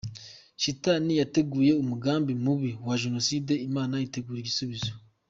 Shitani yateguye umugambi mubi wa Jenoside Imana itegura igisubizo.